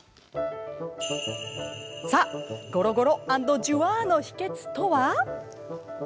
さあゴロゴロ＆ジュワの秘けつとは？